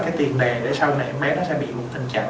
cái tiền đề để sau này em bé nó sẽ bị một tình trạng